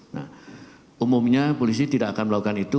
nah umumnya polisi tidak akan melakukan itu